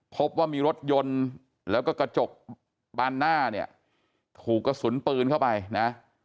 พบว่ามีรถยนต์แล้วก็กระจกบานหน้าเนี่ยถูกกระสุนปืนเข้าไปนะ